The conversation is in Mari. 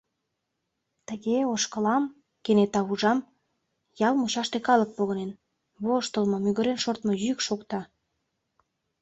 Тыге, ошкылам, кенета ужам — ял мучаште калык погынен, воштылмо, мӱгырен шортмо йӱк шокта.